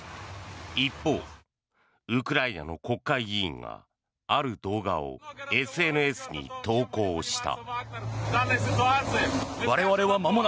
一方、ウクライナの国会議員がある動画をＳＮＳに投稿した。